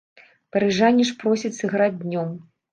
Парыжане ж просяць сыграць днём.